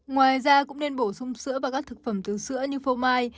ngoài ra cũng nên bổ sung sữa và các thực phẩm từ sữa như phô mai